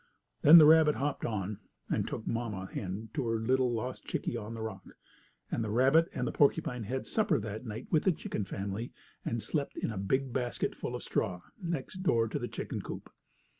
Then the rabbit hopped on and took the mamma hen to her little lost chickie on the rock, and the rabbit and the porcupine had supper that night with the chicken family and slept in a big basket full of straw next door to the chicken coop.